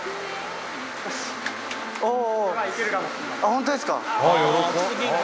ホントですか。